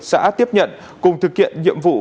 xã tiếp nhận cùng thực hiện nhiệm vụ